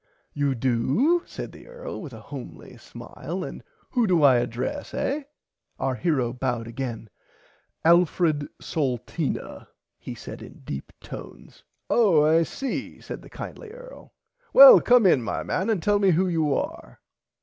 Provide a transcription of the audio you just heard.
You do said the Earl with a homely smile and who do I adress eh. Our hero bowed again Alfred Salteena he said in deep tones. Oh I see said the kindly earl well come in my man and tell me who you are.